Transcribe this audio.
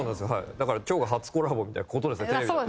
だから今日が初コラボみたいな事ですよテレビとか。